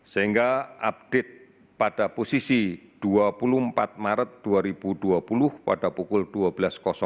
sehingga update pada posisi dua puluh empat maret dua ribu dua puluh pada pukul dua belas